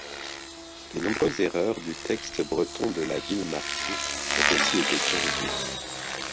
Les nombreuses erreurs du texte breton de La Villemarqué ont aussi été corrigées..